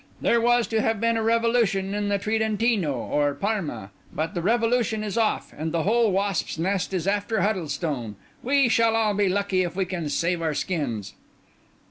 There was to have been a revolution in the Tridentino, or Parma; but the revolution is off, and the whole wasp's nest is after Huddlestone. We shall all be lucky if we can save our skins."